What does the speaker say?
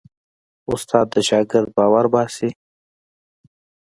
استاد د شاګرد باور باسي.